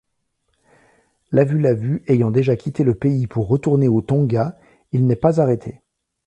Lavulavu ayant déjà quitté le pays pour retourner aux Tonga, il n'est pas arrêté.